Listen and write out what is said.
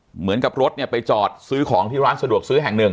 เหมือนกับรถเนี่ยไปจอดซื้อของที่ร้านสะดวกซื้อแห่งหนึ่ง